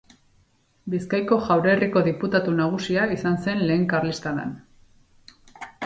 Bizkaiko Jaurerriko Diputatu Nagusia izan zen Lehen Karlistadan.